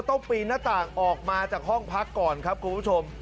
ปีนหน้าต่างออกมาจากห้องพักก่อนครับคุณผู้ชม